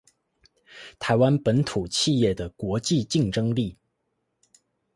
台灣本土企業的國際競爭力